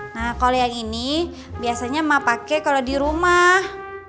nah kalo yang ini biasanya emak pake kalo di rumah